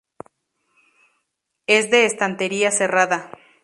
Es de estantería cerrada.